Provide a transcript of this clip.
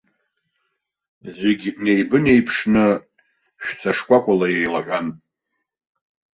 Зегьы неибынеиԥшны шәҵа шкәакәала еилаҳәан.